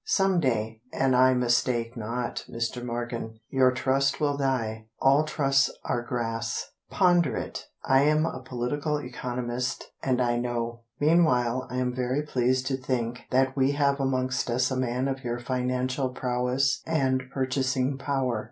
Some day, an I mistake not, Mr. Morgan, Your Trust will die: All Trusts are grass. Ponder it! I am a political economist, and I know. Meanwhile I am very pleased to think That we have amongst us a man of your financial prowess And purchasing power.